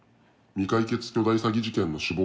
未解決巨大詐欺事件の首謀者。